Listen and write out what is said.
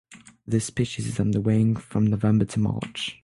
This species is on the wing from November to March.